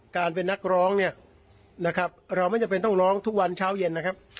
การเป็นนักร้องเนี่ยนะครับเราไม่จำเป็นต้องร้องทุกวันเช้าเย็นนะครับ